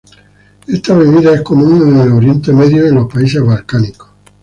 Esta bebida es común en el Oriente Medio y en los países balcánicos.